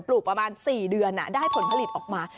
ลูกประมาณ๔เดือนได้ผลผลิตออกมา